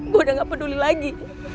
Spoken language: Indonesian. gue udah gak peduli lagi